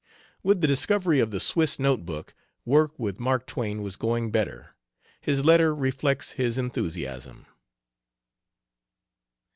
With the discovery of the Swiss note book, work with Mark Twain was going better. His letter reflects his enthusiasm.